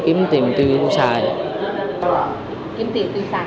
kiếm tiền tiêu xài là xài gì